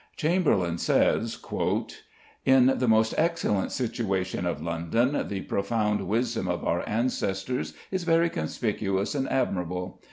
Chamberlayne says: "In the most excellent situation of London the profound wisdom of our ancestors is very conspicuous and admirable.